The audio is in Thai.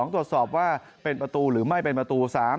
ตรวจสอบว่าเป็นประตูหรือไม่เป็นประตู๓